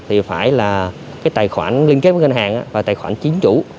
tài khoản liên kết với ngân hàng và tài khoản chính chủ